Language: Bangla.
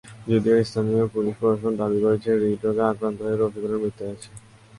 যদিও স্থানীয় পুলিশ প্রশাসন দাবি করছে, হৃদ্রোগে আক্রান্ত হয়ে রফিকুলের মৃত্যু হয়েছে।